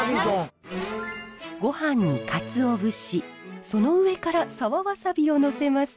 ごはんにかつお節その上から沢ワサビをのせます。